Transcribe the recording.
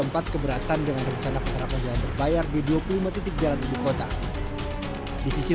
empat keberatan dengan rencana penerapan jalan berbahaya di dua puluh lima titik jalan ibukota di sisi